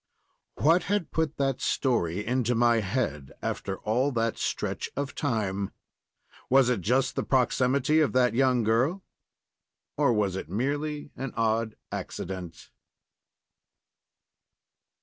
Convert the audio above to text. What had put that story into my head after all that stretch of time? Was it just the proximity of that young girl, or was it merely an odd accident?